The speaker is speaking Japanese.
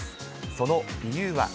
その理由は。